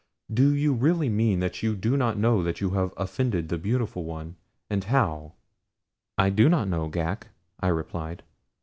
Do you really mean that you do not know that you offended the Beautiful One, and how?" "I do not know, Ghak," I replied.